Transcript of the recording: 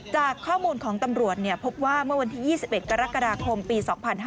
จากข้อมูลของตำรวจพบว่าเมื่อวันที่๒๑กรกฎาคมปี๒๕๕๙